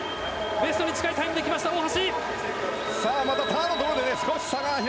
ベストに近いタイムで来ました、大橋。